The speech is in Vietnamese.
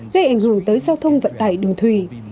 gây ảnh hưởng tới giao thông vận tải đường thủy